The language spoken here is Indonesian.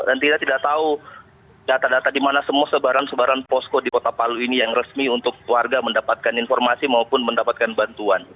dan kita tidak tahu data data di mana semua sebaran sebaran posko di kota palu ini yang resmi untuk warga mendapatkan informasi maupun mendapatkan bantuan